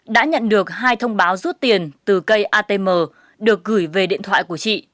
đã nhận được hai thông báo rút tiền từ cây atm được gửi về điện thoại của chị